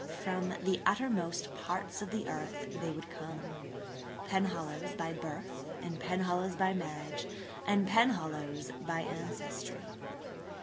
From the uttermost parts of the earth they would come–Penhallows by birth, and Penhallows by marriage and Penhallows by ancestry.